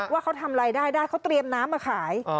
ว่าเขาทำรายได้ได้เขาเตรียมน้ำมาขาย